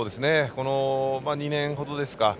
この２年ほどですか。